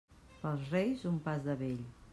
Pels Reis, un pas de vell.